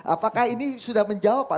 apakah ini sudah menjawab pak